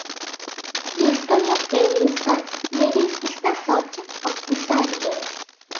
The history of various such theories is the subject of this article.